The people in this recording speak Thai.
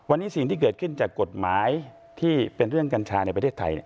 วันนี้สิ่งที่เกิดขึ้นจากกฎหมายที่เป็นเรื่องกัญชาในประเทศไทย